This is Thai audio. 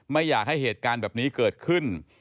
ไม่อยากให้เหตุการณ์แบบนี้เกิดขึ้น